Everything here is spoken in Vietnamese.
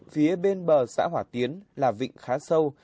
phía bên bờ xã hỏa tiến là vịnh khá sâu